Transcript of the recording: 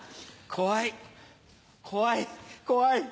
怖い怖い怖い。